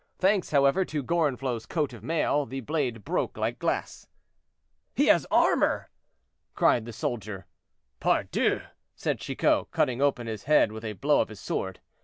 Thanks, however, to Gorenflot's coat of mail, the blade broke like glass. "He has armor!" cried the soldier. "Pardieu!" said Chicot, cutting open his head with a blow of his sword.